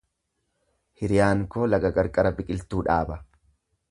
Hiriyaan koo laga qarqara biqiltuu dhaaba.